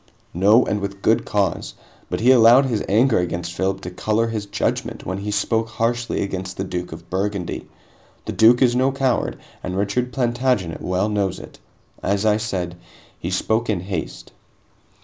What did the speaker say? "No, and with good cause. But he allowed his anger against Philip to color his judgment when he spoke harshly against the Duke of Burgundy. The Duke is no coward, and Richard Plantagenet well knows it. As I said, he spoke in haste."